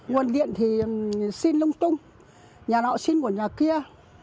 nguồn điện thì xin lung tung nhà nọ xin của nhà kia